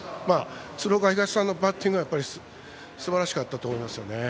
鶴岡東さんのバッティングはすばらしかったと思います。